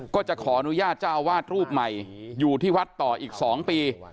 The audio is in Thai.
ก็จะขออนุญาตเจ้าวาดรูปใหม่อยู่ที่วัดต่ออีก๒ปี